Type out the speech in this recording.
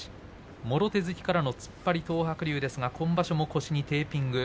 もろ手突きからの突っ張り東白龍ですが今場所も腰にテーピング。